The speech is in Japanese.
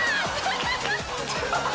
ハハハハ！